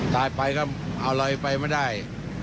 ถ้าไปก็เอาเรากินไปไม่ได้